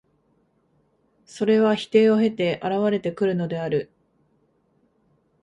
それは否定を経て現れてくるのである。